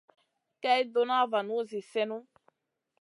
Kay ɗona vanu zi sèhnu.